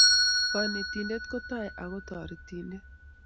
Kanetindet kotai ako taretindet